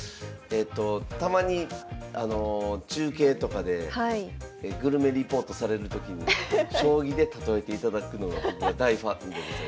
たまに中継とかでグルメリポートされるときに将棋で例えていただくのが僕は大ファンでございます。